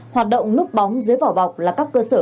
hoạt động núp bóng dưới vỏ bọc là các cơ sở